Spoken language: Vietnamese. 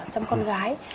chăm con gái